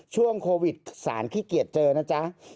ช่วงโควิดสารขี้เกียจเจอนะจ๊ะ